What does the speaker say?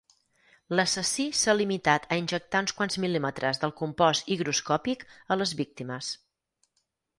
L'assassí s'ha limitat a injectar uns quants mil·límetres del compost higroscòpic a les víctimes.